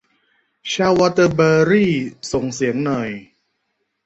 ชาววอเตอร์เบอรี่ ส่งเสียงหน่อย